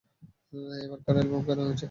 এবার কার অ্যালবাম কেনা হয়েছে?